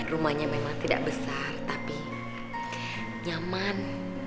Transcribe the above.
rumahnya memang tidak besar tapi nyaman